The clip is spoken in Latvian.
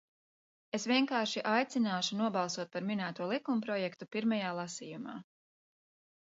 Es vienkārši aicināšu nobalsot par minēto likumprojektu pirmajā lasījumā.